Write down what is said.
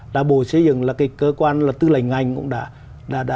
đã bộ xây dựng là cái cơ quan là tư lệnh ngành cũng đã